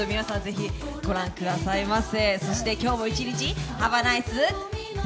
皆さまぜひご覧くださいませ。